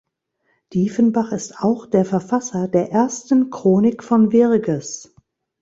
Diefenbach ist auch der Verfasser der ersten Chronik von Wirges.